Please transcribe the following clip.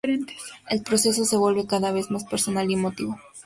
El proceso se vuelve cada vez más personal y emotivo.